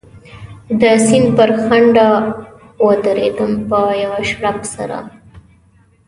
د سیند پر څنډه و درېدم، په یوه شړپ سره.